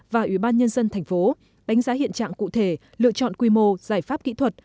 và ubnd tp đánh giá hiện trạng cụ thể lựa chọn quy mô giải pháp kỹ thuật